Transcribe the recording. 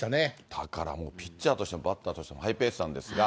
だからもうピッチャーとしてもバッターとしてもハイペースなんですが。